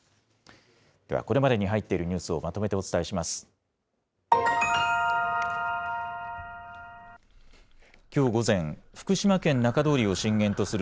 では、これまでに入っているニュースをまとめてお伝えします。